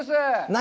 何？